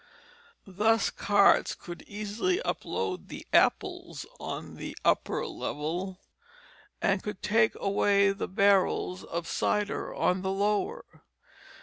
Thus carts could easily unload the apples on the upper level and take away the barrels of cider on the lower.